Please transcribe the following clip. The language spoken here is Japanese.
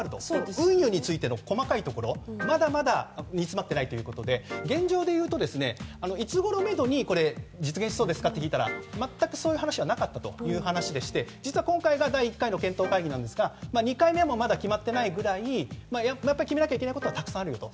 運輸についての細かいところまだまだにつまっていないということで現状、いつごろをめどに実現しそうですかと聞いたら全くそういう話はなかったという話でして実は今回が第１回の検討会議なんですが２回目も決まっていないくらいに決めなきゃいけないことはたくさんあるよと。